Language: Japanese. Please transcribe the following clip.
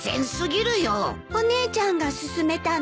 お姉ちゃんが勧めたの？